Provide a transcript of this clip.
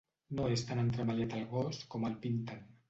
No és tan entremaliat el gos com el pinten.